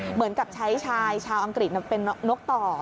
เหมือนกับใช้ชายชาวอังกฤษเป็นนกต่อ